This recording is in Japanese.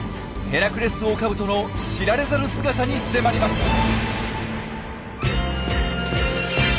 ヘラクレスオオカブトの知られざる姿に迫ります。